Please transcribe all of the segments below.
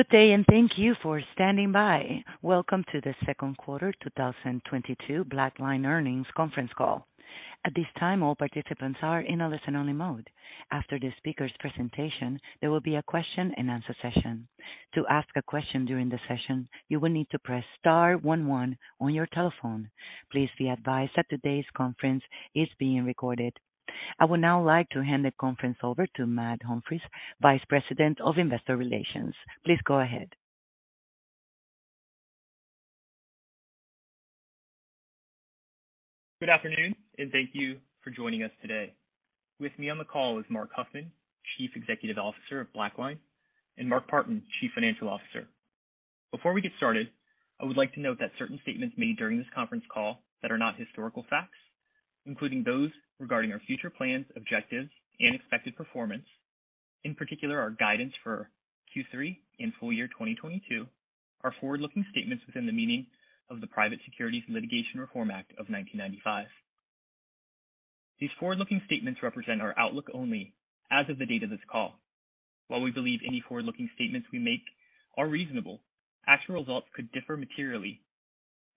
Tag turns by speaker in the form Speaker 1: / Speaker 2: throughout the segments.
Speaker 1: Good day, and thank you for standing by. Welcome to the second quarter 2022 BlackLine earnings conference call. At this time, all participants are in a listen-only mode. After the speaker's presentation, there will be a question-and-answer session. To ask a question during the session, you will need to press star one one on your telephone. Please be advised that today's conference is being recorded. I would now like to hand the conference over to Matt Humphries, Vice President of Investor Relations. Please go ahead.
Speaker 2: Good afternoon, and thank you for joining us today. With me on the call is Marc Huffman, Chief Executive Officer of BlackLine, and Mark Partin, Chief Financial Officer. Before we get started, I would like to note that certain statements made during this conference call that are not historical facts, including those regarding our future plans, objectives, and expected performance. In particular, our guidance for Q3 and full year 2022 are forward-looking statements within the meaning of the Private Securities Litigation Reform Act of 1995. These forward-looking statements represent our outlook only as of the date of this call. While we believe any forward-looking statements we make are reasonable, actual results could differ materially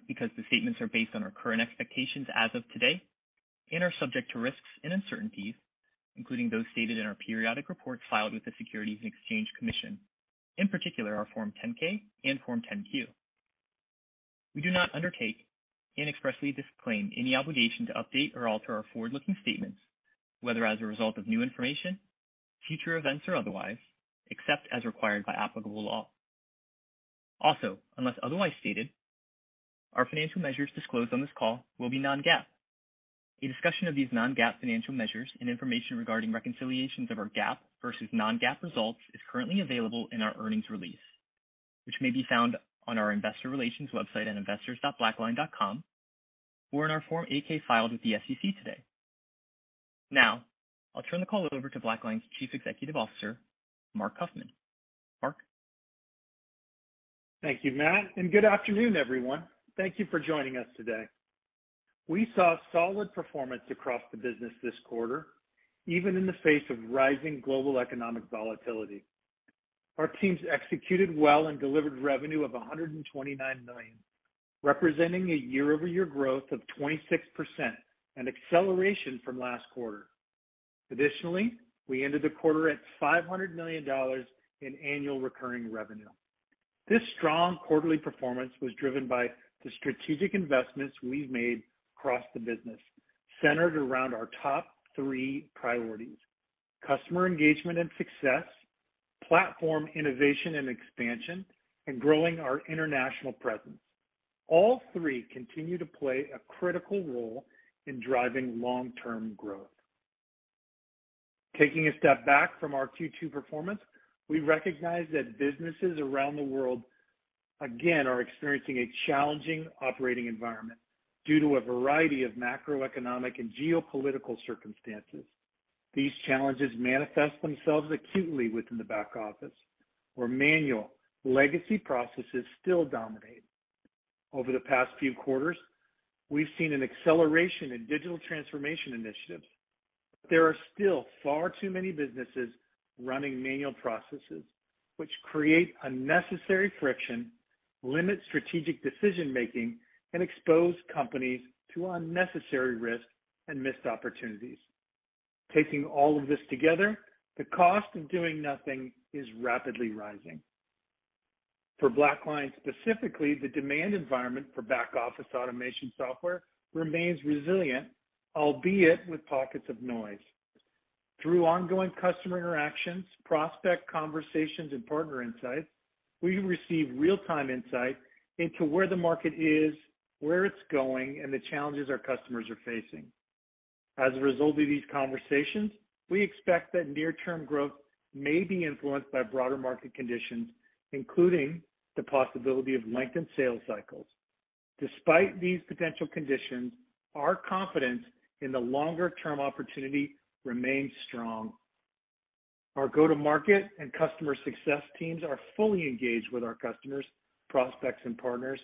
Speaker 2: because the statements are based on our current expectations as of today and are subject to risks and uncertainties, including those stated in our periodic reports filed with the Securities and Exchange Commission, in particular our Form 10-K and Form 10-Q. We do not undertake and expressly disclaim any obligation to update or alter our forward-looking statements, whether as a result of new information, future events or otherwise, except as required by applicable law. Also, unless otherwise stated, our financial measures disclosed on this call will be non-GAAP. A discussion of these non-GAAP financial measures and information regarding reconciliations of our GAAP versus non-GAAP results is currently available in our earnings release, which may be found on our investor relations website at investors.blackline.com or in our Form 8-K filed with the SEC today. Now, I'll turn the call over to BlackLine's Chief Executive Officer, Marc Huffman. Marc?
Speaker 3: Thank you, Matt, and good afternoon, everyone. Thank you for joining us today. We saw solid performance across the business this quarter, even in the face of rising global economic volatility. Our teams executed well and delivered revenue of $129 million, representing a year-over-year growth of 26% and acceleration from last quarter. Additionally, we ended the quarter at $500 million in annual recurring revenue. This strong quarterly performance was driven by the strategic investments we've made across the business, centered around our top three priorities, customer engagement and success, platform innovation and expansion, and growing our international presence. All three continue to play a critical role in driving long-term growth. Taking a step back from our Q2 performance, we recognize that businesses around the world again are experiencing a challenging operating environment due to a variety of macroeconomic and geopolitical circumstances. These challenges manifest themselves acutely within the back office, where manual legacy processes still dominate. Over the past few quarters, we've seen an acceleration in digital transformation initiatives. There are still far too many businesses running manual processes which create unnecessary friction, limit strategic decision-making, and expose companies to unnecessary risk and missed opportunities. Taking all of this together, the cost of doing nothing is rapidly rising. For BlackLine specifically, the demand environment for back-office automation software remains resilient, albeit with pockets of noise. Through ongoing customer interactions, prospect conversations, and partner insights, we receive real-time insight into where the market is, where it's going, and the challenges our customers are facing. As a result of these conversations, we expect that near-term growth may be influenced by broader market conditions, including the possibility of lengthened sales cycles. Despite these potential conditions, our confidence in the longer-term opportunity remains strong. Our go-to-market and customer success teams are fully engaged with our customers, prospects, and partners,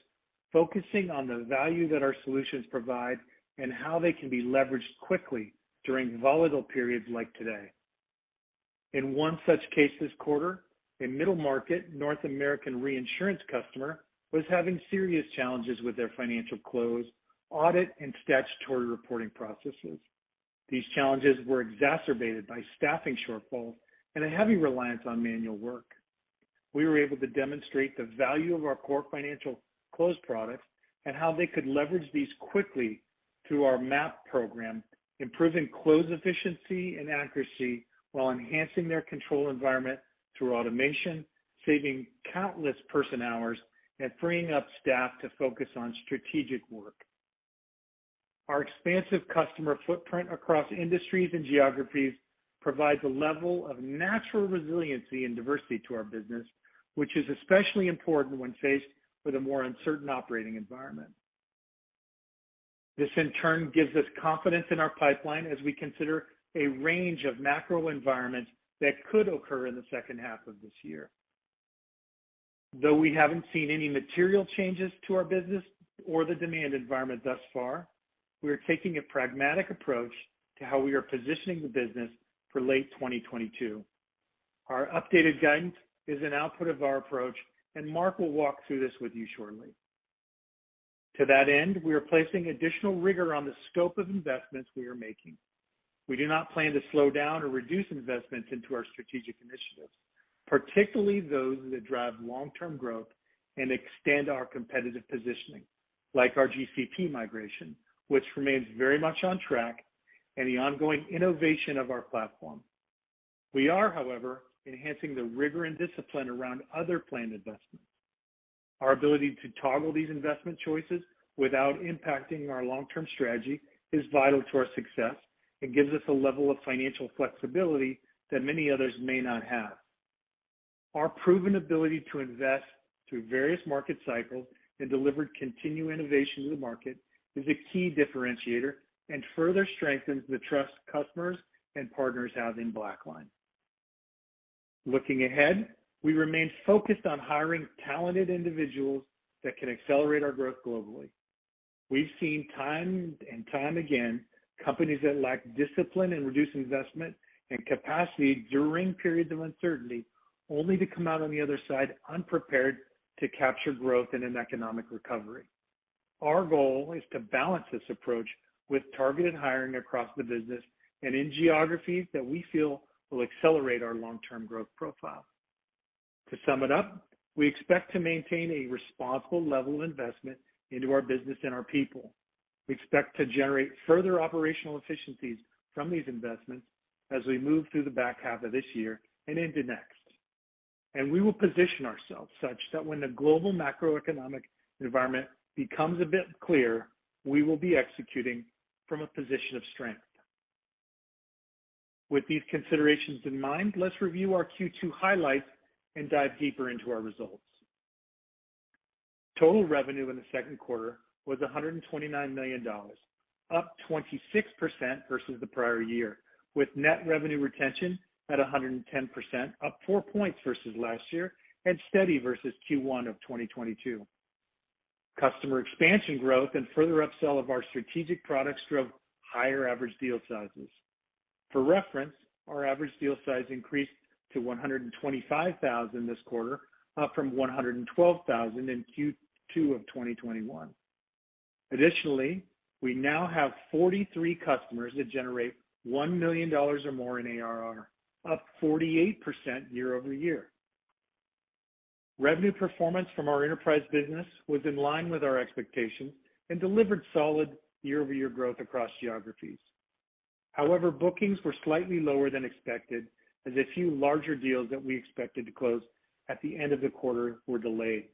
Speaker 3: focusing on the value that our solutions provide and how they can be leveraged quickly during volatile periods like today. In one such case this quarter, a middle-market North American reinsurance customer was having serious challenges with their financial close, audit, and statutory reporting processes. These challenges were exacerbated by staffing shortfalls and a heavy reliance on manual work. We were able to demonstrate the value of our core financial close products and how they could leverage these quickly through our MAP program, improving close efficiency and accuracy while enhancing their control environment through automation, saving countless person-hours and freeing up staff to focus on strategic work. Our expansive customer footprint across industries and geographies provides a level of natural resiliency and diversity to our business, which is especially important when faced with a more uncertain operating environment. This in turn gives us confidence in our pipeline as we consider a range of macro environments that could occur in the second half of this year. Though we haven't seen any material changes to our business or the demand environment thus far. We are taking a pragmatic approach to how we are positioning the business for late 2022. Our updated guidance is an output of our approach, and Mark will walk through this with you shortly. To that end, we are placing additional rigor on the scope of investments we are making. We do not plan to slow down or reduce investments into our strategic initiatives, particularly those that drive long-term growth and extend our competitive positioning, like our GCP migration, which remains very much on track, and the ongoing innovation of our platform. We are, however, enhancing the rigor and discipline around other planned investments. Our ability to toggle these investment choices without impacting our long-term strategy is vital to our success and gives us a level of financial flexibility that many others may not have. Our proven ability to invest through various market cycles and deliver continued innovation to the market is a key differentiator and further strengthens the trust customers and partners have in BlackLine. Looking ahead, we remain focused on hiring talented individuals that can accelerate our growth globally. We've seen time and time again, companies that lack discipline and reduce investment and capacity during periods of uncertainty, only to come out on the other side unprepared to capture growth in an economic recovery. Our goal is to balance this approach with targeted hiring across the business and in geographies that we feel will accelerate our long-term growth profile. To sum it up, we expect to maintain a responsible level of investment into our business and our people. We expect to generate further operational efficiencies from these investments as we move through the back half of this year and into next. We will position ourselves such that when the global macroeconomic environment becomes a bit clear, we will be executing from a position of strength. With these considerations in mind, let's review our Q2 highlights and dive deeper into our results. Total revenue in the second quarter was $129 million, up 26% versus the prior year, with net revenue retention at 110%, up 4 points versus last year, and steady versus Q1 of 2022. Customer expansion growth and further upsell of our strategic products drove higher average deal sizes. For reference, our average deal size increased to $125,000 this quarter, up from $112,000 in Q2 of 2021. Additionally, we now have 43 customers that generate $1 million or more in ARR, up 48% year-over-year. Revenue performance from our enterprise business was in line with our expectations and delivered solid year-over-year growth across geographies. However, bookings were slightly lower than expected as a few larger deals that we expected to close at the end of the quarter were delayed.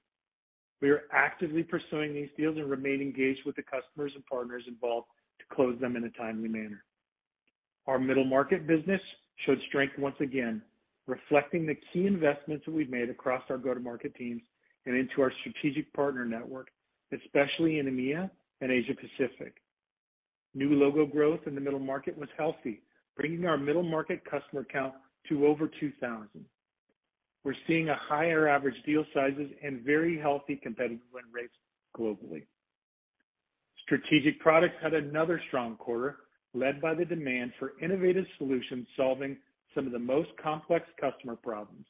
Speaker 3: We are actively pursuing these deals and remain engaged with the customers and partners involved to close them in a timely manner. Our middle market business showed strength once again, reflecting the key investments that we've made across our go-to-market teams and into our strategic partner network, especially in EMEA and Asia Pacific. New logo growth in the middle market was healthy, bringing our middle market customer count to over 2,000. We're seeing higher average deal sizes and very healthy competitive win rates globally. Strategic products had another strong quarter, led by the demand for innovative solutions solving some of the most complex customer problems.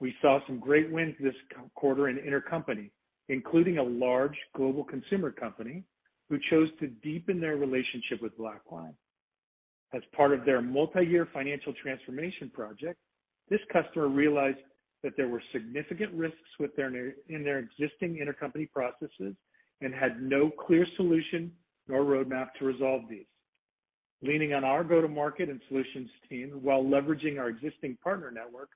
Speaker 3: We saw some great wins this quarter in intercompany, including a large global consumer company who chose to deepen their relationship with BlackLine. As part of their multi-year financial transformation project, this customer realized that there were significant risks In their existing intercompany processes and had no clear solution nor roadmap to resolve these. Leaning on our go-to-market and solutions team, while leveraging our existing partner network,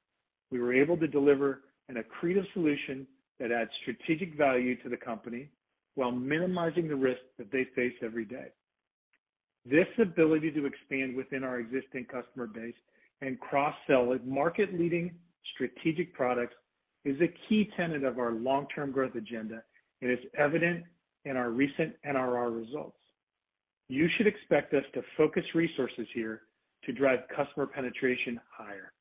Speaker 3: we were able to deliver an accretive solution that adds strategic value to the company while minimizing the risks that they face every day. This ability to expand within our existing customer base and cross-sell market-leading strategic products is a key tenet of our long-term growth agenda and is evident in our recent NRR results. You should expect us to focus resources here to drive customer penetration higher.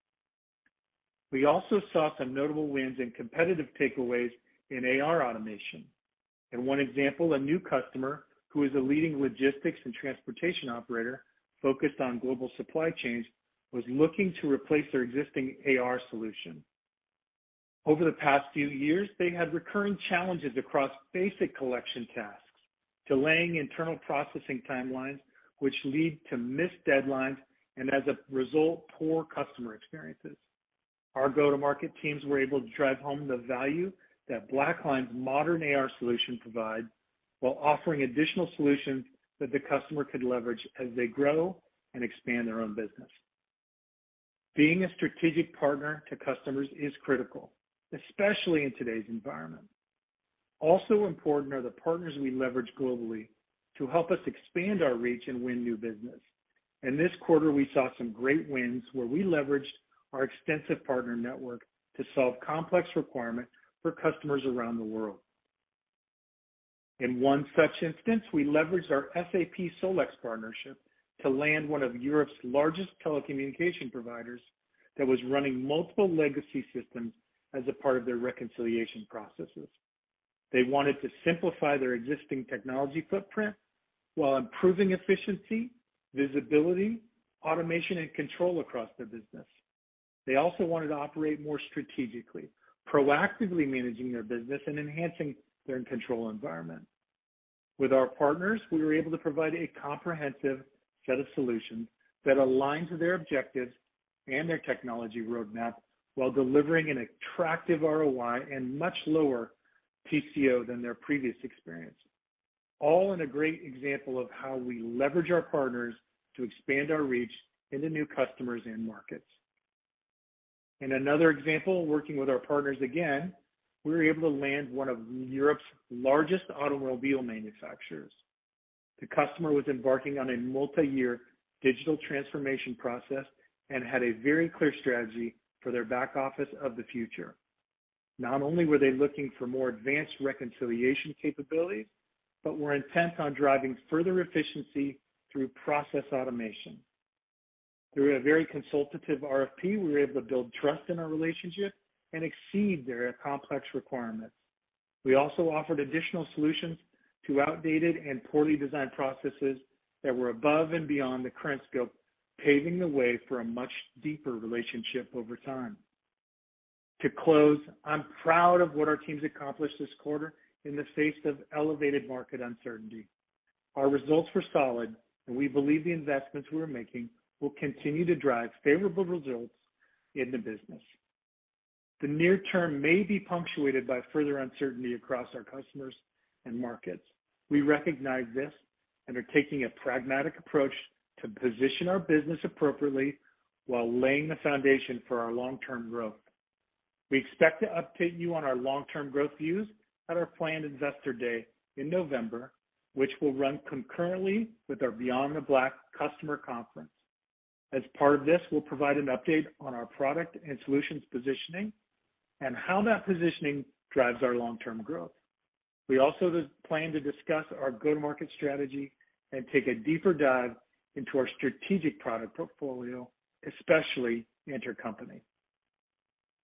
Speaker 3: We also saw some notable wins and competitive takeaways in AR automation. In one example, a new customer who is a leading logistics and transportation operator focused on global supply chains, was looking to replace their existing AR solution. Over the past few years, they had recurring challenges across basic collection tasks, delaying internal processing timelines, which led to missed deadlines and, as a result, poor customer experiences. Our go-to-market teams were able to drive home the value that BlackLine's modern AR solution provides while offering additional solutions that the customer could leverage as they grow and expand their own business. Being a strategic partner to customers is critical, especially in today's environment. Also important are the partners we leverage globally to help us expand our reach and win new business. In this quarter, we saw some great wins where we leveraged our extensive partner network to solve complex requirements for customers around the world. In one such instance, we leveraged our SAP SolEx partnership to land one of Europe's largest telecommunication providers. That was running multiple legacy systems as a part of their reconciliation processes. They wanted to simplify their existing technology footprint while improving efficiency, visibility, automation, and control across their business. They also wanted to operate more strategically, proactively managing their business and enhancing their control environment. With our partners, we were able to provide a comprehensive set of solutions that align to their objectives and their technology roadmap while delivering an attractive ROI and much lower TCO than their previous experience. All in a great example of how we leverage our partners to expand our reach into new customers and markets. In another example, working with our partners again, we were able to land one of Europe's largest automobile manufacturers. The customer was embarking on a multi-year digital transformation process and had a very clear strategy for their back-office of the future. Not only were they looking for more advanced reconciliation capabilities, but were intent on driving further efficiency through process automation. Through a very consultative RFP, we were able to build trust in our relationship and exceed their complex requirements. We also offered additional solutions to outdated and poorly designed processes that were above and beyond the current scope, paving the way for a much deeper relationship over time. To close, I'm proud of what our teams accomplished this quarter in the face of elevated market uncertainty. Our results were solid, and we believe the investments we are making will continue to drive favorable results in the business. The near term may be punctuated by further uncertainty across our customers and markets. We recognize this and are taking a pragmatic approach to position our business appropriately while laying the foundation for our long-term growth. We expect to update you on our long-term growth views at our planned Investor Day in November, which will run concurrently with our BeyondTheBlack customer conference. As part of this, we'll provide an update on our product and solutions positioning and how that positioning drives our long-term growth. We also plan to discuss our go-to-market strategy and take a deeper dive into our strategic product portfolio, especially intercompany.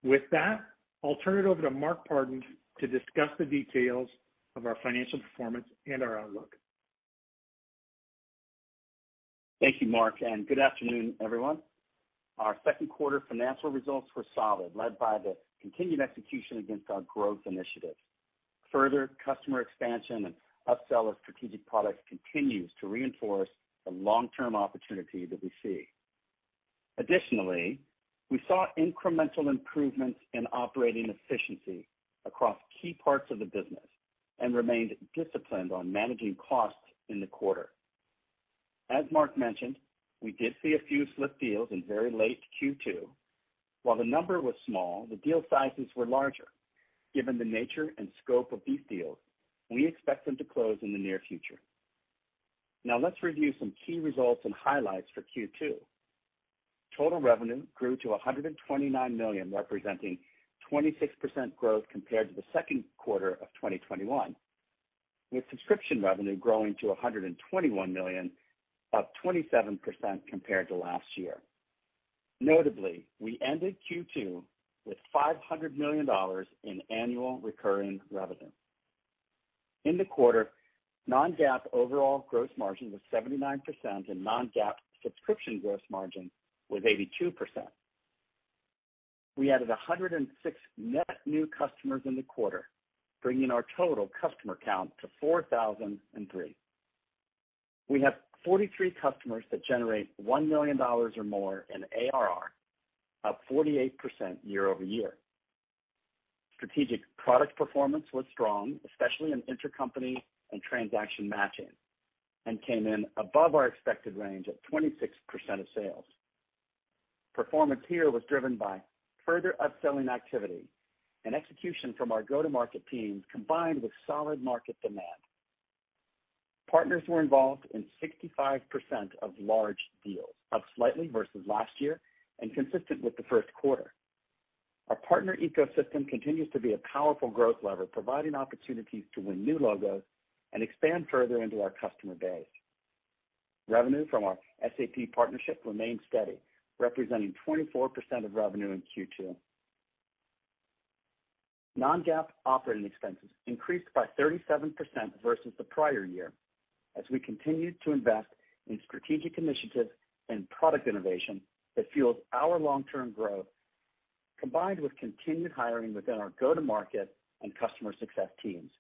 Speaker 3: With that, I'll turn it over to Mark Partin to discuss the details of our financial performance and our outlook.
Speaker 4: Thank you, Mark, and good afternoon, everyone. Our second quarter financial results were solid, led by the continued execution against our growth initiatives. Further customer expansion and upsell of strategic products continues to reinforce the long-term opportunity that we see. Additionally, we saw incremental improvements in operating efficiency across key parts of the business and remained disciplined on managing costs in the quarter. As Mark mentioned, we did see a few slipped deals in very late Q2. While the number was small, the deal sizes were larger. Given the nature and scope of these deals, we expect them to close in the near future. Now let's review some key results and highlights for Q2. Total revenue grew to $129 million, representing 26% growth compared to the second quarter of 2021, with subscription revenue growing to $121 million, up 27% compared to last year. Notably, we ended Q2 with $500 million in annual recurring revenue. In the quarter, non-GAAP overall gross margin was 79% and non-GAAP subscription gross margin was 82%. We added 106 net new customers in the quarter, bringing our total customer count to 4,003. We have 43 customers that generate $1 million or more in ARR, up 48% year-over-year. Strategic product performance was strong, especially in intercompany and transaction matching, and came in above our expected range at 26% of sales. Performance here was driven by further upselling activity and execution from our go-to-market teams, combined with solid market demand. Partners were involved in 65% of large deals, up slightly versus last year and consistent with the first quarter. Our partner ecosystem continues to be a powerful growth lever, providing opportunities to win new logos and expand further into our customer base. Revenue from our SAP partnership remained steady, representing 24% of revenue in Q2. non-GAAP operating expenses increased by 37% versus the prior year as we continued to invest in strategic initiatives and product innovation that fuels our long-term growth, combined with continued hiring within our go-to-market and customer success teams.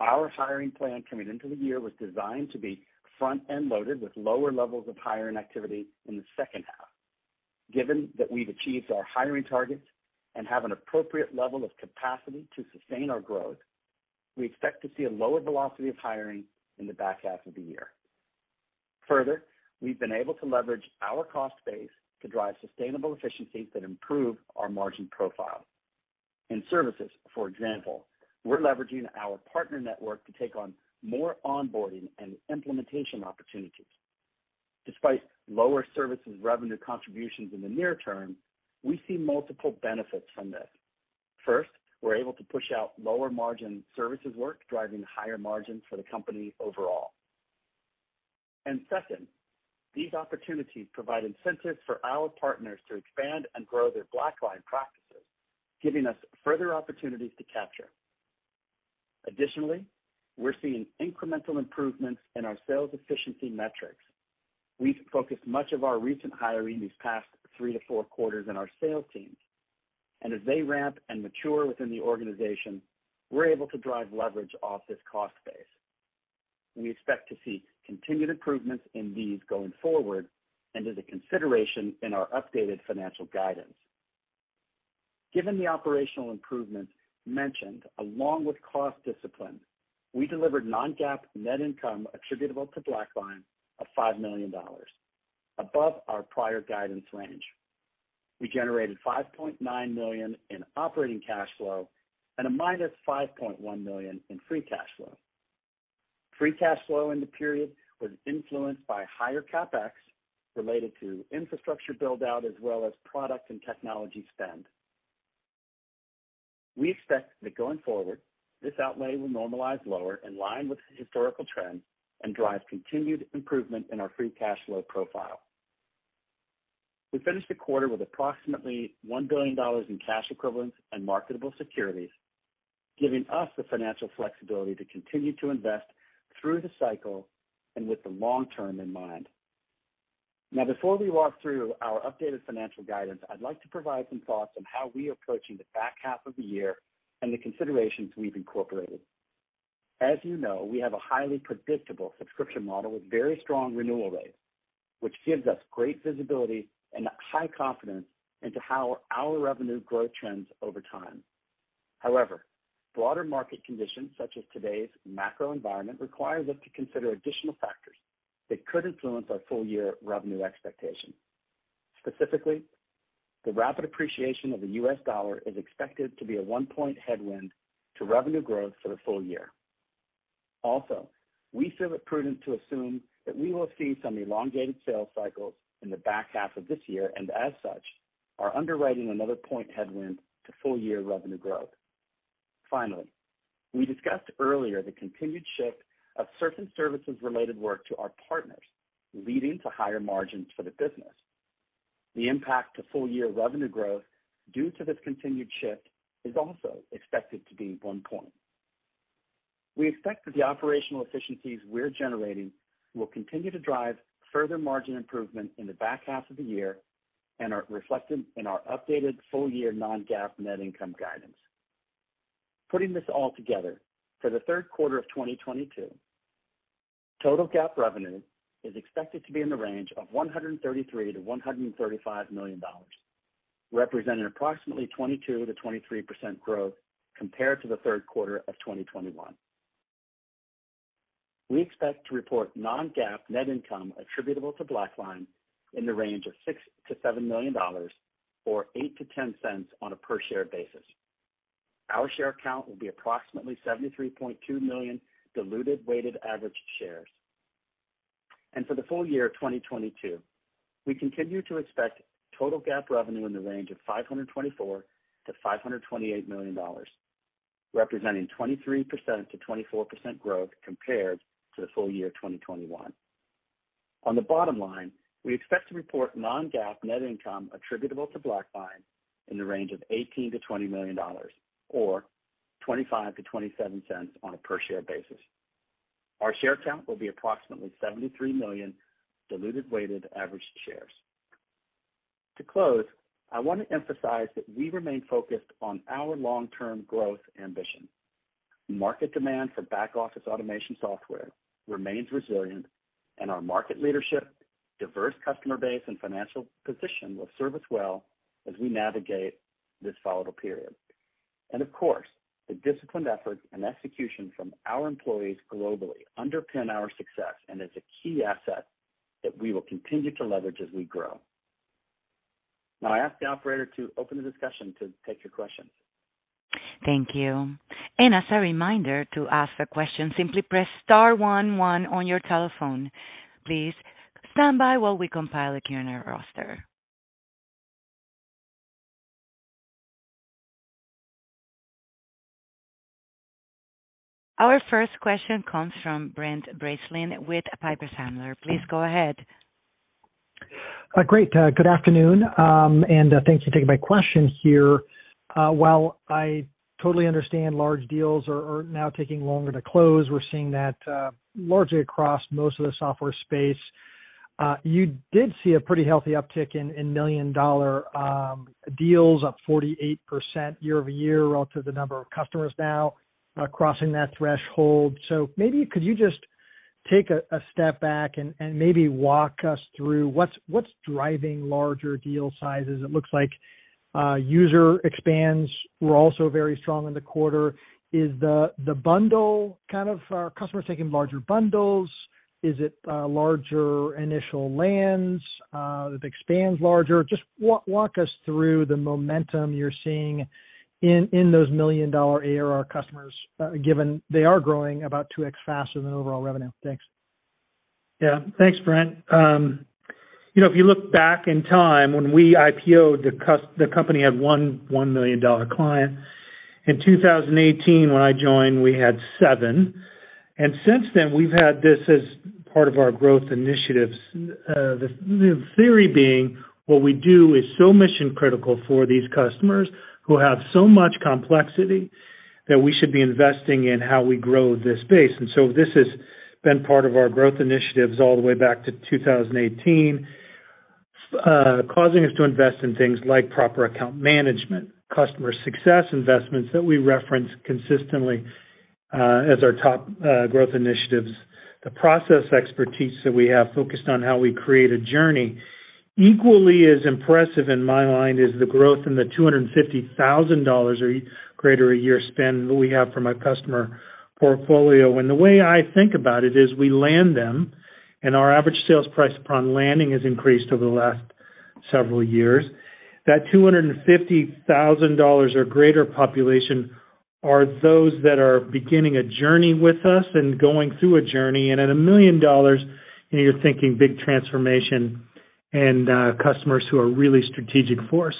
Speaker 4: Our hiring plan coming into the year was designed to be front-end loaded with lower levels of hiring activity in the second half. Given that we've achieved our hiring targets and have an appropriate level of capacity to sustain our growth, we expect to see a lower velocity of hiring in the back half of the year. Further, we've been able to leverage our cost base to drive sustainable efficiencies that improve our margin profile. In services, for example, we're leveraging our partner network to take on more onboarding and implementation opportunities. Despite lower services revenue contributions in the near term, we see multiple benefits from this. First, we're able to push out lower margin services work, driving higher margins for the company overall. Second, these opportunities provide incentives for our partners to expand and grow their BlackLine practices, giving us further opportunities to capture. Additionally, we're seeing incremental improvements in our sales efficiency metrics. We've focused much of our recent hiring these past 3 to 4 quarters in our sales teams. As they ramp and mature within the organization, we're able to drive leverage off this cost base. We expect to see continued improvements in these going forward and as a consideration in our updated financial guidance. Given the operational improvements mentioned, along with cost discipline, we delivered non-GAAP net income attributable to BlackLine of $5 million, above our prior guidance range. We generated $5.9 million in operating cash flow and -$5.1 million in free cash flow. Free cash flow in the period was influenced by higher CapEx related to infrastructure build-out as well as product and technology spend. We expect that going forward, this outlay will normalize lower in line with historical trends and drive continued improvement in our free cash flow profile. We finished the quarter with approximately $1 billion in cash equivalents and marketable securities, giving us the financial flexibility to continue to invest through the cycle and with the long term in mind. Now, before we walk through our updated financial guidance, I'd like to provide some thoughts on how we're approaching the back half of the year and the considerations we've incorporated. As you know, we have a highly predictable subscription model with very strong renewal rates, which gives us great visibility and high confidence into how our revenue growth trends over time. However, broader market conditions, such as today's macro environment, requires us to consider additional factors that could influence our full year revenue expectations. Specifically, the rapid appreciation of the U.S. dollar is expected to be a 1-point headwind to revenue growth for the full year. Also, we feel it prudent to assume that we will see some elongated sales cycles in the back half of this year, and as such, are underwriting another point headwind to full-year revenue growth. Finally, we discussed earlier the continued shift of certain services-related work to our partners, leading to higher margins for the business. The impact to full-year revenue growth due to this continued shift is also expected to be one point. We expect that the operational efficiencies we're generating will continue to drive further margin improvement in the back half of the year and are reflected in our updated full-year non-GAAP net income guidance. Putting this all together, for the third quarter of 2022, total GAAP revenue is expected to be in the range of $133 million-$135 million, representing approximately 22%-23% growth compared to the third quarter of 2021. We expect to report non-GAAP net income attributable to BlackLine in the range of $6 million-$7 million, or $0.08-$0.10 per share. Our share count will be approximately 73.2 million diluted weighted average shares. For the full year of 2022, we continue to expect total GAAP revenue in the range of $524 million-$528 million, representing 23%-24% growth compared to the full year of 2021. On the bottom line, we expect to report non-GAAP net income attributable to BlackLine in the range of $18 million-$20 million, or $0.25-$0.27 on a per share basis. Our share count will be approximately 73 million diluted weighted average shares. To close, I want to emphasize that we remain focused on our long-term growth ambition. Market demand for back office automation software remains resilient and our market leadership, diverse customer base, and financial position will serve us well as we navigate this volatile period. Of course, the disciplined effort and execution from our employees globally underpin our success and is a key asset that we will continue to leverage as we grow. Now I ask the operator to open the discussion to take your questions.
Speaker 1: Thank you. As a reminder, to ask a question, simply press star one one on your telephone. Please stand by while we compile a Q&A roster. Our first question comes from Brent Bracelin with Piper Sandler. Please go ahead.
Speaker 5: Great. Good afternoon, and thank you for taking my question here. While I totally understand large deals are now taking longer to close, we're seeing that largely across most of the software space, you did see a pretty healthy uptick in million-dollar deals, up 48% year-over-year relative to the number of customers now crossing that threshold. Maybe could you just take a step back and maybe walk us through what's driving larger deal sizes? It looks like user expands were also very strong in the quarter. Is the bundle, kind of, are customers taking larger bundles? Is it larger initial lands that expands larger? Just walk us through the momentum you're seeing in those million-dollar ARR customers, given they are growing about 2x faster than overall revenue. Thanks.
Speaker 3: Yeah. Thanks, Brent. You know, if you look back in time when we IPO'd, the company had one $1 million client. In 2018, when I joined, we had seven. Since then, we've had this as part of our growth initiatives. The theory being what we do is so mission-critical for these customers who have so much complexity that we should be investing in how we grow this space. This has been part of our growth initiatives all the way back to 2018, causing us to invest in things like proper account management, customer success investments that we reference consistently, as our top growth initiatives, the process expertise that we have focused on how we create a journey. Equally as impressive in my mind is the growth in the $250,000 or greater a year spend that we have from our customer portfolio. The way I think about it is we land them, and our average sales price upon landing has increased over the last several years. That $250,000 or greater population are those that are beginning a journey with us and going through a journey. At a million dollars, you're thinking big transformation and customers who are really strategic for us.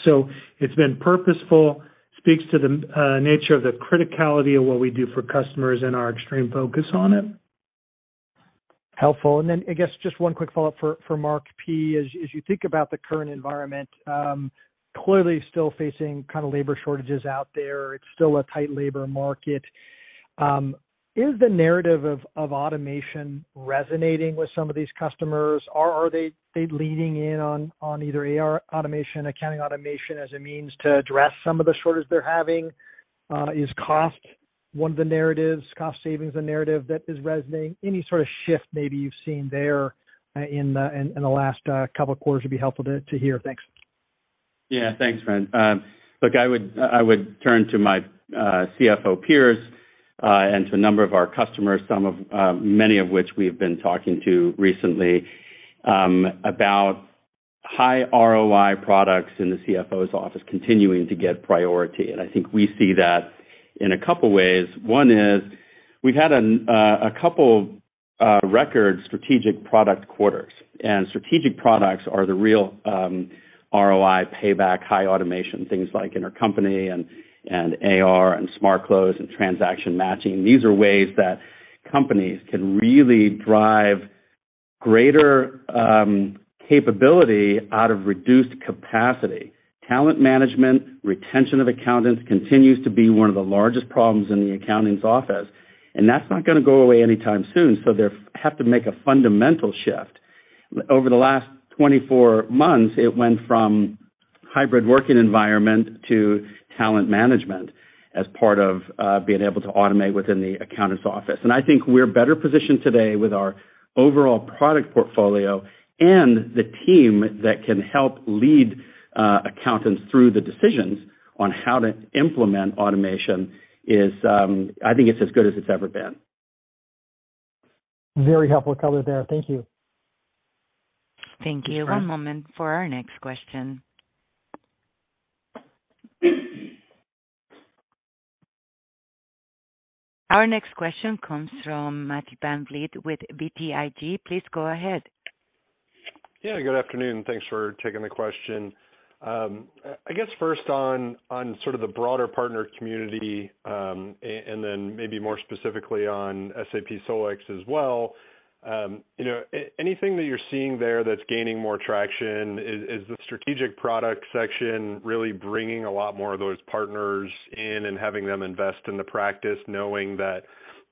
Speaker 3: It's been purposeful, speaks to the nature of the criticality of what we do for customers and our extreme focus on it.
Speaker 5: Helpful. I guess just one quick follow-up for Mark Partin. As you think about the current environment, clearly still facing kinda labor shortages out there, it's still a tight labor market. Is the narrative of automation resonating with some of these customers? Are they leaning in on either AR Automation, accounting automation as a means to address some of the shortage they're having? Is cost one of the narratives, cost savings a narrative that is resonating? Any sort of shift maybe you've seen there, in the last couple of quarters would be helpful to hear. Thanks.
Speaker 4: Yeah. Thanks, Brent. Look, I would turn to my CFO peers and to a number of our customers, some of many of which we've been talking to recently about high ROI products in the CFO's office continuing to get priority. I think we see that in a couple ways. One is we've had a couple record strategic product quarters, and strategic products are the real ROI payback, high automation, things like Intercompany and AR and Smart Close and Transaction Matching. These are ways that companies can really drive greater capability out of reduced capacity. Talent management, retention of accountants continues to be one of the largest problems in the accountant's office, and that's not gonna go away anytime soon, so they have to make a fundamental shift. Over the last 24 months, it went from hybrid working environment to talent management as part of being able to automate within the accountant's office. I think we're better positioned today with our overall product portfolio and the team that can help lead accountants through the decisions on how to implement automation is, I think it's as good as it's ever been.
Speaker 5: Very helpful color there. Thank you.
Speaker 1: Thank you. One moment for our next question. Our next question comes from Matthew VanVliet with BTIG. Please go ahead.
Speaker 6: Yeah, good afternoon. Thanks for taking the question. I guess first on sort of the broader partner community, and then maybe more specifically on SAP ecosystem as well, you know, anything that you're seeing there that's gaining more traction. Is the strategic product section really bringing a lot more of those partners in and having them invest in the practice knowing that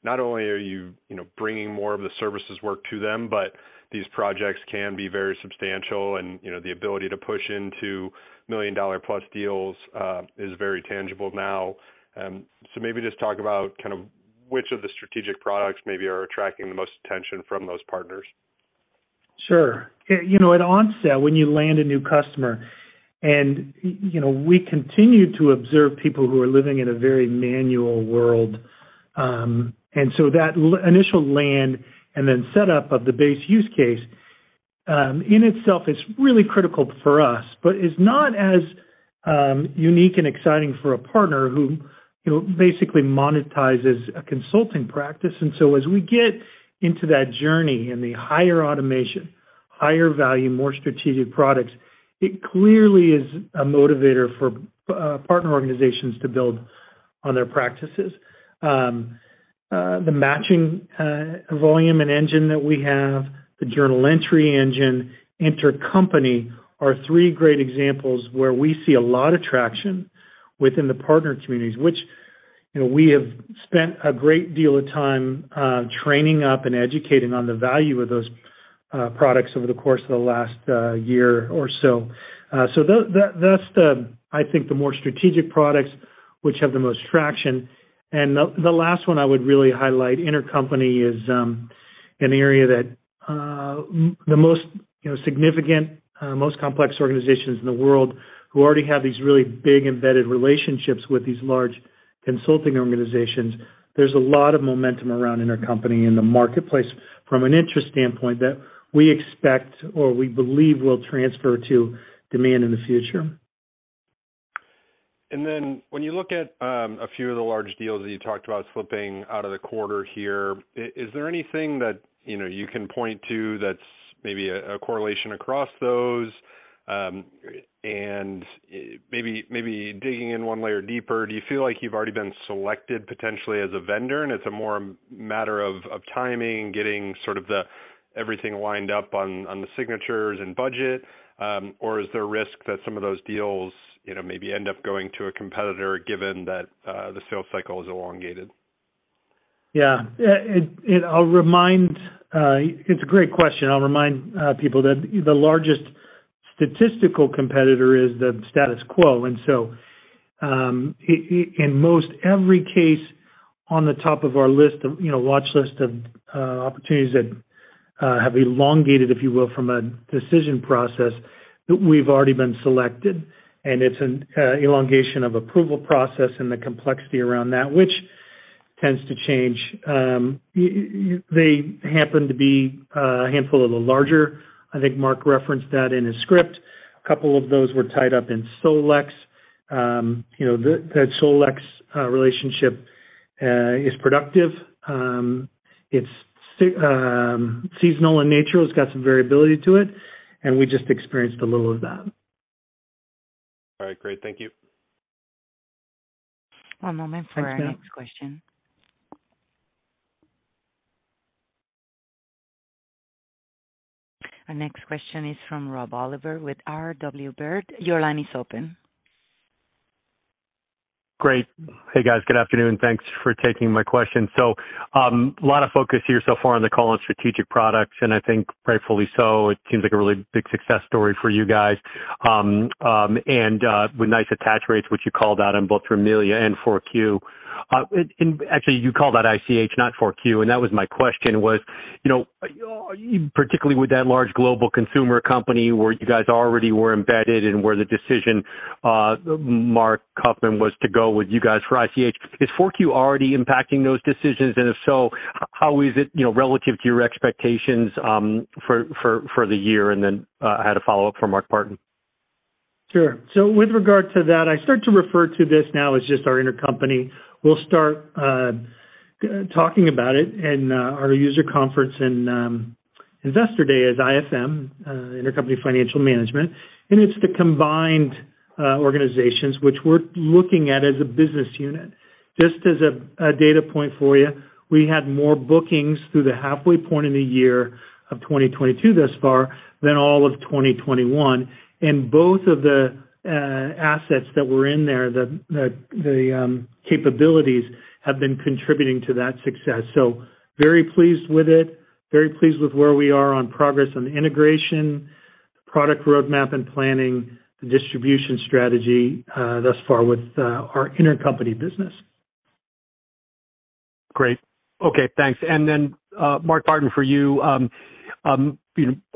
Speaker 6: not only are you know, bringing more of the services work to them, but these projects can be very substantial and, you know, the ability to push into million-dollar-plus deals is very tangible now. Maybe just talk about kind of which of the strategic products maybe are attracting the most attention from those partners.
Speaker 3: Sure. You know, at onset, when you land a new customer and, you know, we continue to observe people who are living in a very manual world. Initial land and then set up of the base use case, in itself is really critical for us, but is not as unique and exciting for a partner who, you know, basically monetizes a consulting practice. As we get into that journey and the higher automation, higher value, more strategic products, it clearly is a motivator for partner organizations to build on their practices. The matching volume and engine that we have, the Journal Entry engine, Intercompany are three great examples where we see a lot of traction within the partner communities, which, you know, we have spent a great deal of time training up and educating on the value of those products over the course of the last year or so. That's, I think, the more strategic products which have the most traction. The last one I would really highlight, Intercompany is an area that the most significant, most complex organizations in the world who already have these really big embedded relationships with these large consulting organizations. There's a lot of momentum around Intercompany in the marketplace from an interest standpoint that we expect or we believe will transfer to demand in the future.
Speaker 6: Then when you look at a few of the large deals that you talked about slipping out of the quarter here, is there anything that, you know, you can point to that's maybe a correlation across those? Maybe digging in one layer deeper, do you feel like you've already been selected potentially as a vendor and it's a more matter of timing, getting sort of everything lined up on the signatures and budget? Or is there risk that some of those deals, you know, maybe end up going to a competitor given that the sales cycle is elongated?
Speaker 3: Yeah. It's a great question. I'll remind people that the largest statistical competitor is the status quo. In most every case on the top of our list of, you know, watch list of opportunities that have elongated, if you will, from a decision process, we've already been selected. It's an elongation of approval process and the complexity around that, which tends to change. They happen to be a handful of the larger. I think Mark referenced that in his script. A couple of those were tied up in SolEx. You know, the SolEx relationship is productive. It's seasonal in nature. It's got some variability to it, and we just experienced a little of that.
Speaker 6: All right, great. Thank you.
Speaker 1: One moment for our next question. Our next question is from Rob Oliver with R.W. Baird. Your line is open.
Speaker 7: Great. Hey, guys, good afternoon. Thanks for taking my question. A lot of focus here so far on the call on strategic products, and I think rightfully so. It seems like a really big success story for you guys with nice attach rates, which you called out on both Rimilia and FourQ. Actually, you called out ICH, not FourQ, and that was my question, you know, particularly with that large global consumer company where you guys already were embedded and where the decision, Marc Huffman was to go with you guys for ICH, is FourQ already impacting those decisions? If so, how is it, you know, relative to your expectations for the year? Then, I had a follow-up for Mark Partin.
Speaker 3: Sure. With regard to that, I start to refer to this now as just our intercompany. We'll start talking about it in our user conference and Investor Day as IFM, Intercompany Financial Management. It's the combined organizations which we're looking at as a business unit. Just as a data point for you, we had more bookings through the halfway point in the year of 2022 thus far than all of 2021. Both of the assets that were in there, the capabilities have been contributing to that success. Very pleased with it, very pleased with where we are on progress on the integration, product roadmap and planning, the distribution strategy thus far with our intercompany business.
Speaker 7: Great. Okay, thanks. Mark Partin, for you know,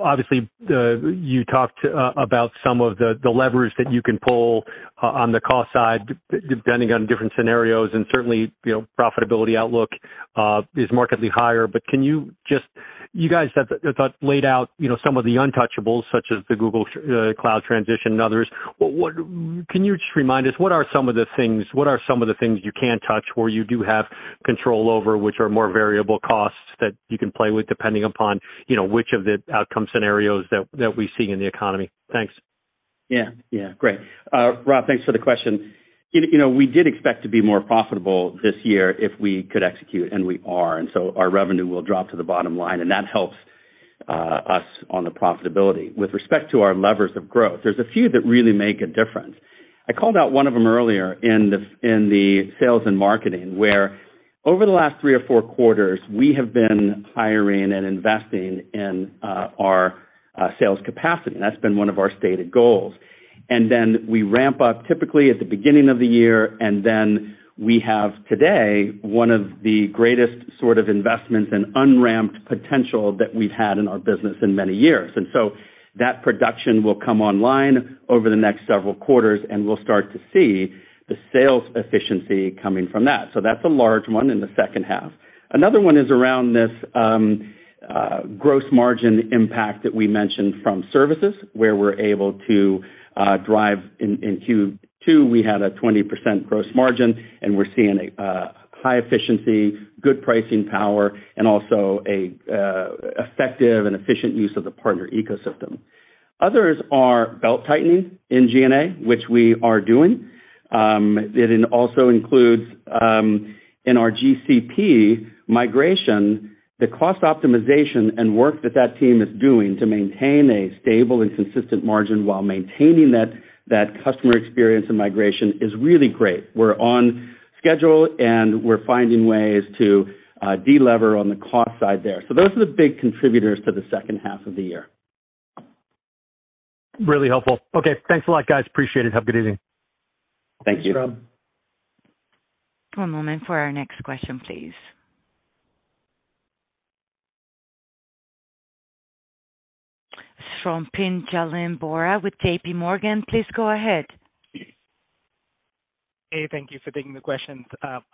Speaker 7: obviously you talked about some of the levers that you can pull on the cost side depending on different scenarios, and certainly, you know, profitability outlook is markedly higher. You guys have laid out, you know, some of the untouchables, such as the Google Cloud transition and others. Can you just remind us what are some of the things you can't touch or you do have control over, which are more variable costs that you can play with depending upon, you know, which of the outcome scenarios that we see in the economy? Thanks.
Speaker 4: Yeah. Yeah. Great. Rob, thanks for the question. You know, we did expect to be more profitable this year if we could execute, and we are. Our revenue will drop to the bottom line, and that helps us on the profitability. With respect to our levers of growth, there's a few that really make a difference. I called out one of them earlier in the sales and marketing, where over the last three or four quarters, we have been hiring and investing in our sales capacity. That's been one of our stated goals. Then we ramp up typically at the beginning of the year, and then we have today one of the greatest sort of investments and unramped potential that we've had in our business in many years. That production will come online over the next several quarters, and we'll start to see the sales efficiency coming from that. That's a large one in the second half. Another one is around this gross margin impact that we mentioned from services, where we're able to drive in Q2, we had a 20% gross margin, and we're seeing a high efficiency, good pricing power, and also a effective and efficient use of the partner ecosystem. Others are belt-tightening in G&A, which we are doing. It also includes in our GCP migration, the cost optimization and work that that team is doing to maintain a stable and consistent margin while maintaining that customer experience and migration is really great. We're on schedule, and we're finding ways to de-lever on the cost side there. Those are the big contributors to the second half of the year.
Speaker 7: Really helpful. Okay, thanks a lot, guys. Appreciate it. Have a good evening.
Speaker 4: Thank you.
Speaker 3: Thanks, Rob.
Speaker 1: One moment for our next question, please. Pinjalim Bora with JPMorgan, please go ahead.
Speaker 8: Hey, thank you for taking the questions.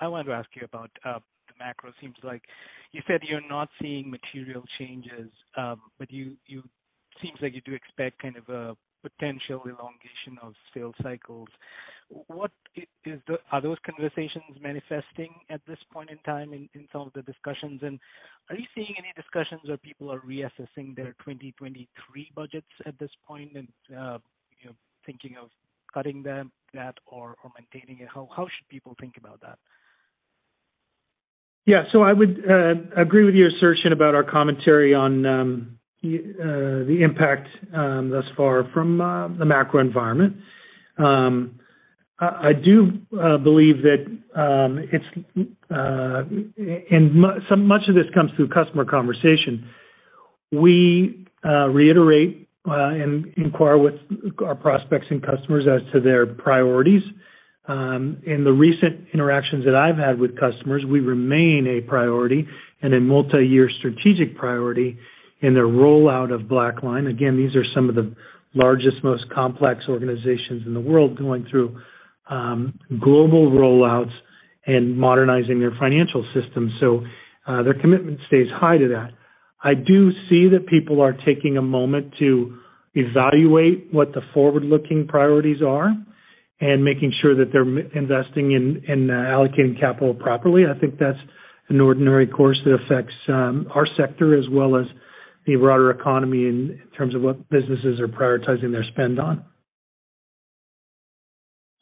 Speaker 8: I wanted to ask you about the macro. Seems like you said you're not seeing material changes, but seems like you do expect kind of a potential elongation of sales cycles. Are those conversations manifesting at this point in time in some of the discussions? Are you seeing any discussions where people are reassessing their 2023 budgets at this point and thinking of cutting them, that or maintaining it? How should people think about that?
Speaker 3: Yeah. I would agree with your assertion about our commentary on the impact thus far from the macro environment. I do believe that so much of this comes through customer conversation. We reiterate and inquire with our prospects and customers as to their priorities. In the recent interactions that I've had with customers, we remain a priority and a multi-year strategic priority in their rollout of BlackLine. Again, these are some of the largest, most complex organizations in the world going through global rollouts and modernizing their financial system. Their commitment stays high to that. I do see that people are taking a moment to evaluate what the forward-looking priorities are and making sure that they're investing and allocating capital properly. I think that's an ordinary course that affects our sector as well as the broader economy in terms of what businesses are prioritizing their spend on.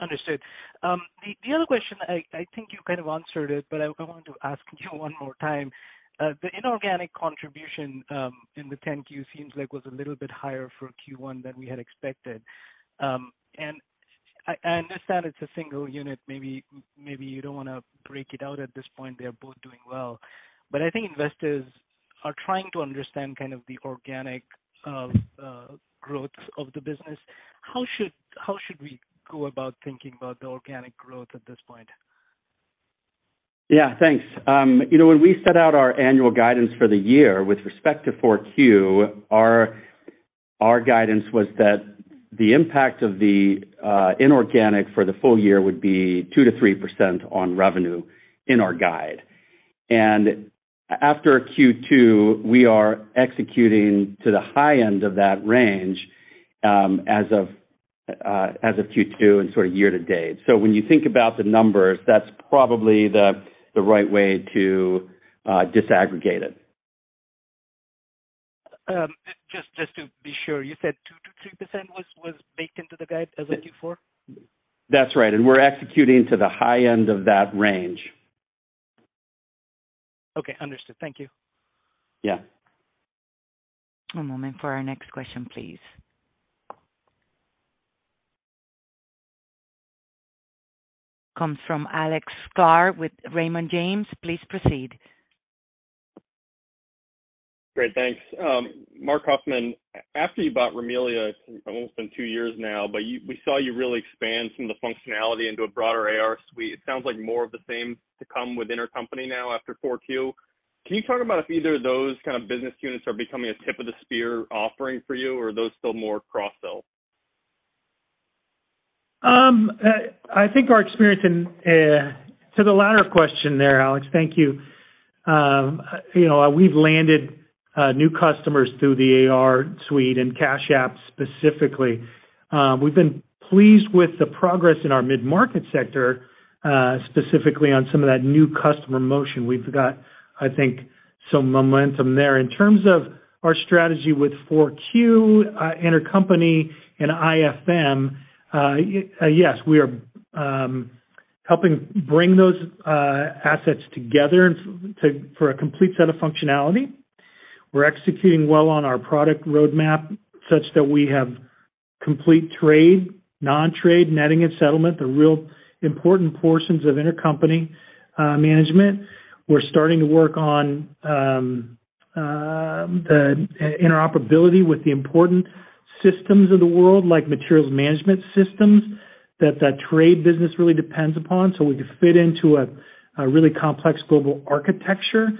Speaker 8: Understood. The other question I think you kind of answered it, but I want to ask you one more time. The inorganic contribution in the 10-Q seems like was a little bit higher for Q1 than we had expected. I understand it's a single unit. Maybe you don't wanna break it out at this point. They are both doing well. I think investors are trying to understand kind of the organic growth of the business. How should we go about thinking about the organic growth at this point?
Speaker 3: Yeah, thanks. You know, when we set out our annual guidance for the year with respect to FourQ, our guidance was that the impact of the inorganic for the full year would be 2%-3% on revenue in our guide. After Q2, we are executing to the high end of that range, as of Q2 and sort of year to date. When you think about the numbers, that's probably the right way to disaggregate it.
Speaker 8: Just to be sure, you said 2%-3% was baked into the guide as of Q4?
Speaker 3: That's right. We're executing to the high end of that range.
Speaker 8: Okay. Understood. Thank you.
Speaker 3: Yeah.
Speaker 1: One moment for our next question, please. Comes from Alex Sklar with Raymond James. Please proceed.
Speaker 9: Great. Thanks. Marc Huffman, after you bought Rimilia, it's almost been two years now, but we saw you really expand some of the functionality into a broader AR suite. It sounds like more of the same to come with intercompany now after FourQ. Can you talk about if either of those kind of business units are becoming a tip of the spear offering for you, or are those still more cross-sells?
Speaker 3: I think, to the latter question there, Alex, thank you. You know, we've landed new customers through the AR suite and cash app specifically. We've been pleased with the progress in our mid-market sector, specifically on some of that new customer motion. We've got, I think, some momentum there. In terms of our strategy with FourQ, intercompany and IFM, yes, we are helping bring those assets together to form a complete set of functionality. We're executing well on our product roadmap such that we have complete trade, non-trade, netting and settlement, the really important portions of intercompany management. We're starting to work on the interoperability with the important systems of the world, like materials management systems that the trade business really depends upon, so we can fit into a really complex global architecture.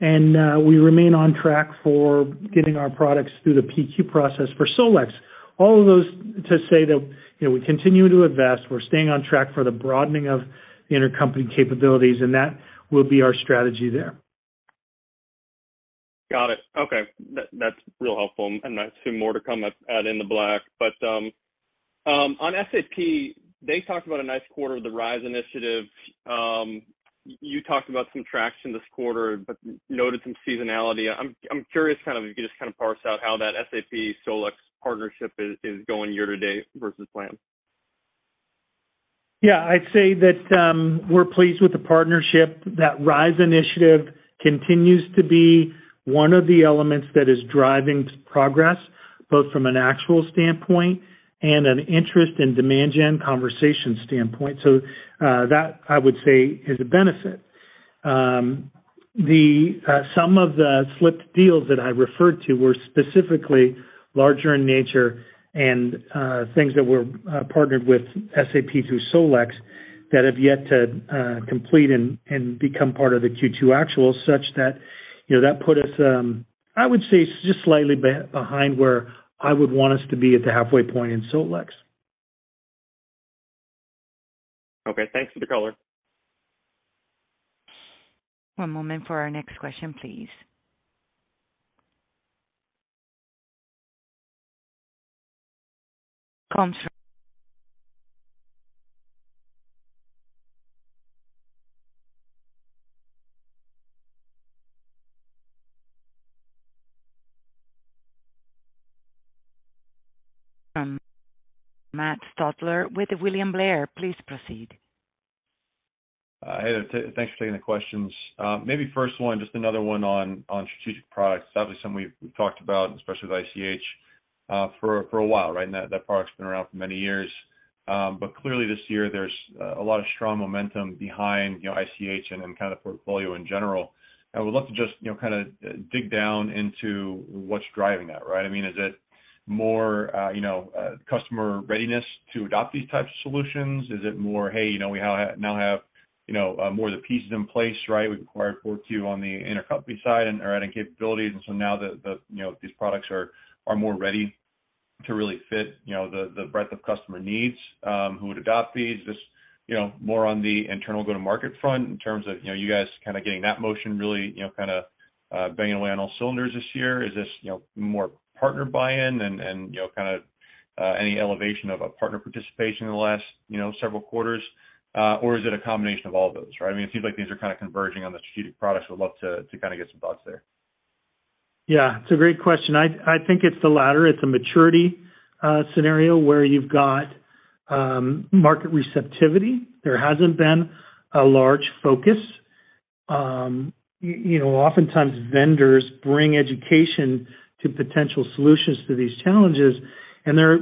Speaker 3: We remain on track for getting our products through the PQ process for SolEx. All of those to say that, you know, we continue to invest, we're staying on track for the broadening of the intercompany capabilities, and that will be our strategy there.
Speaker 9: Got it. Okay. That's real helpful, and I assume more to come at BeyondTheBlack. On SAP, they talked about a nice quarter of the RISE initiative. You talked about some traction this quarter but noted some seasonality. I'm curious kind of if you just kind of parse out how that SAP Solution Extensions partnership is going year to date versus plan.
Speaker 3: Yeah. I'd say that we're pleased with the partnership. That RISE initiative continues to be one of the elements that is driving progress, both from an actual standpoint and an interest in demand gen conversation standpoint. That, I would say, is a benefit. Some of the slipped deals that I referred to were specifically larger in nature and things that were partnered with SAP through SolEx that have yet to complete and become part of the Q2 actual, such that, you know, that put us, I would say, just slightly behind where I would want us to be at the halfway point in SolEx.
Speaker 9: Okay, thanks for the color.
Speaker 1: One moment for our next question, please. Comes from Matt Stotler with William Blair. Please proceed.
Speaker 10: Hey there. Thanks for taking the questions. Maybe first one, just another one on strategic products. Obviously something we've talked about, and especially with ICH for a while, right? That product's been around for many years. Clearly this year there's a lot of strong momentum behind, you know, ICH and kind of portfolio in general. I would love to just, you know, kind of dig down into what's driving that, right? I mean, is it more, you know, customer readiness to adopt these types of solutions? Is it more, hey, you know, we now have, you know, more of the pieces in place, right? We've acquired FourQ on the intercompany side and are adding capabilities, so now you know these products are more ready to really fit you know the breadth of customer needs who would adopt these. This you know more on the internal go-to-market front in terms of you know you guys kind of getting that motion really you know kinda banging away on all cylinders this year. Is this you know more partner buy-in and you know kind of any elevation of a partner participation in the last you know several quarters? Or is it a combination of all those, right? I mean, it seems like these are kind of converging on the strategic products. Would love to kind of get some thoughts there.
Speaker 3: Yeah, it's a great question. I think it's the latter. It's a maturity scenario, where you've got market receptivity. There hasn't been a large focus. You know, oftentimes vendors bring education to potential solutions to these challenges, and they're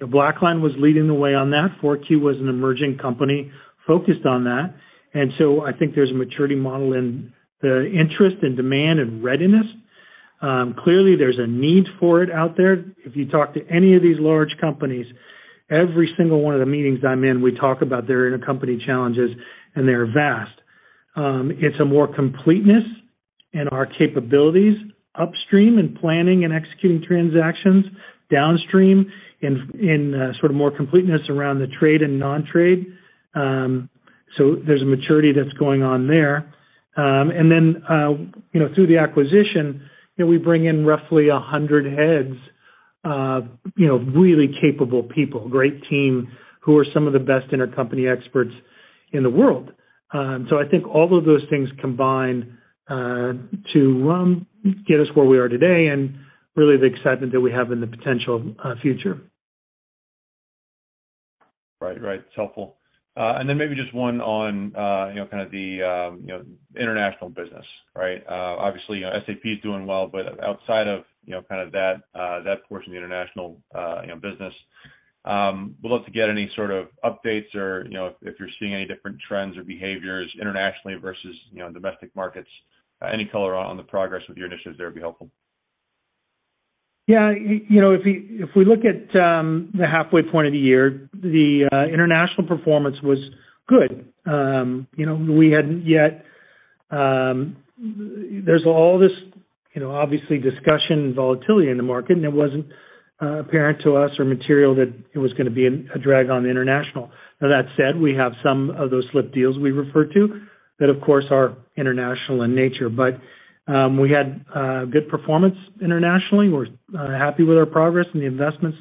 Speaker 3: BlackLine was leading the way on that. FourQ was an emerging company focused on that. I think there's a maturity model in the interest and demand and readiness. Clearly there's a need for it out there. If you talk to any of these large companies, every single one of the meetings I'm in, we talk about their intercompany challenges, and they're vast. It's a more completeness in our capabilities upstream in planning and executing transactions downstream in sort of more completeness around the trade and non-trade. So there's a maturity that's going on there. Through the acquisition, you know, we bring in roughly 100 heads, you know, really capable people, great team, who are some of the best intercompany experts in the world. I think all of those things combine to get us where we are today and really the excitement that we have in the potential future.
Speaker 10: Right. It's helpful. Maybe just one on, you know, kind of the, you know, international business, right? Obviously, you know, SAP is doing well, but outside of, you know, kind of that portion of the international, you know, business, would love to get any sort of updates or, you know, if you're seeing any different trends or behaviors internationally versus, you know, domestic markets. Any color on the progress with your initiatives there would be helpful.
Speaker 3: Yeah. You know, if we look at the halfway point of the year, the international performance was good. You know, we hadn't yet. There's all this, you know, obviously discussion and volatility in the market, and it wasn't apparent to us or material that it was gonna be a drag on the international. Now that said, we have some of those slipped deals we referred to that of course are international in nature. We had good performance internationally. We're happy with our progress and the investments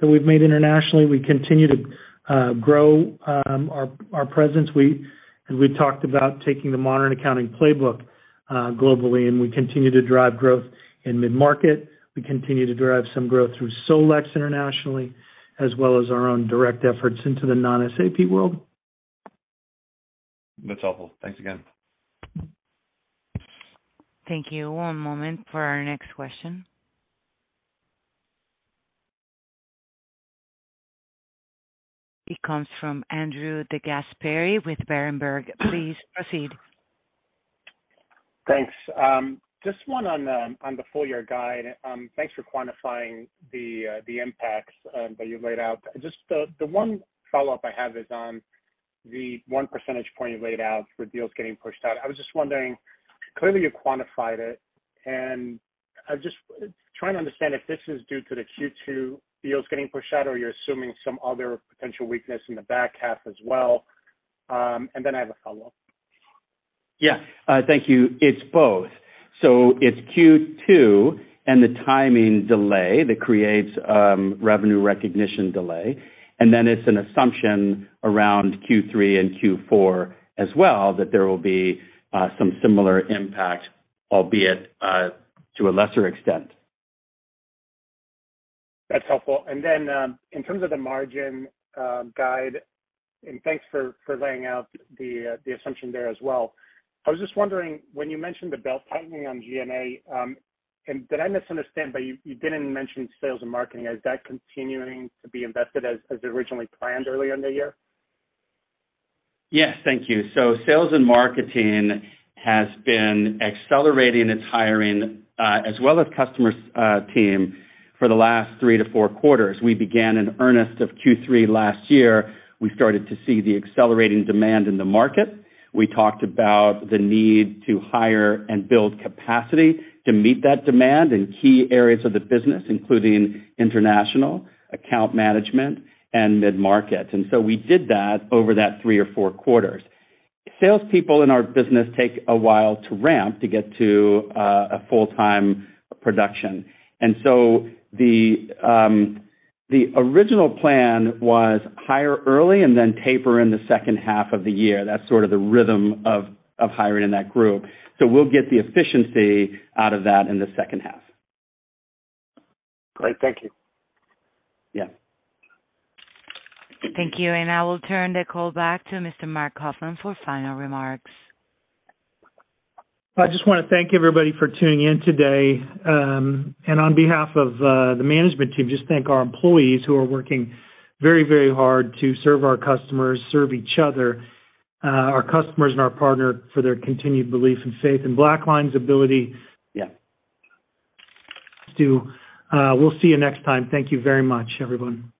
Speaker 3: that we've made internationally. We continue to grow our presence. We talked about taking the Modern Accounting Playbook globally, and we continue to drive growth in mid-market. We continue to drive some growth through SolEx internationally, as well as our own direct efforts into the non-SAP world.
Speaker 10: That's helpful. Thanks again.
Speaker 1: Thank you. One moment for our next question. It comes from Andrew DeGasperi with Berenberg. Please proceed.
Speaker 11: Thanks. Just one on the full year guide. Thanks for quantifying the impacts that you laid out. Just the one follow-up I have is on the 1 percentage point you laid out for deals getting pushed out. I was just wondering, clearly you quantified it, and I'm just trying to understand if this is due to the Q2 deals getting pushed out, or you're assuming some other potential weakness in the back half as well. And then I have a follow-up.
Speaker 4: Yeah. Thank you. It's both. It's Q2 and the timing delay that creates revenue recognition delay, and then it's an assumption around Q3 and Q4 as well that there will be some similar impact, albeit to a lesser extent.
Speaker 11: That's helpful. In terms of the margin guide, and thanks for laying out the assumption there as well. I was just wondering, when you mentioned the belt-tightening on G&A, and did I misunderstand, but you didn't mention sales and marketing. Is that continuing to be invested as originally planned earlier in the year?
Speaker 4: Yes. Thank you. Sales and marketing has been accelerating its hiring, as well as customers team, for the last 3 to 4 quarters. We began in earnest of Q3 last year. We started to see the accelerating demand in the market. We talked about the need to hire and build capacity to meet that demand in key areas of the business, including international, account management, and mid-market. We did that over that 3 or 4 quarters. Salespeople in our business take a while to ramp to get to a full-time production. The original plan was hire early and then taper in the second half of the year. That's sort of the rhythm of hiring in that group. We'll get the efficiency out of that in the second half.
Speaker 11: Great. Thank you.
Speaker 4: Yeah.
Speaker 1: Thank you. I will turn the call back to Mr. Marc Huffman for final remarks.
Speaker 3: I just wanna thank everybody for tuning in today. On behalf of the management team, just thank our employees who are working very, very hard to serve our customers, serve each other, and our partners for their continued belief and faith in BlackLine's ability.
Speaker 4: Yeah.
Speaker 3: We'll see you next time. Thank you very much, everyone.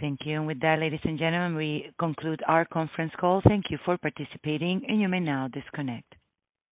Speaker 1: Thank you. With that, ladies and gentlemen, we conclude our conference call. Thank you for participating, and you may now disconnect.